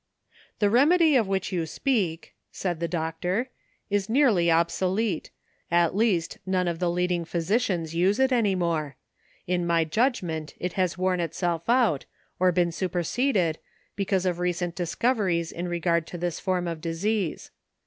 "The remedy of which you speak," said the doctor, "is nearly obsolete — at least none of the leading physicians use it any more. In my judgment it has worn itself out, or been superseded, because of recent discoveries in LEARNING. 249 regard to this form of disease.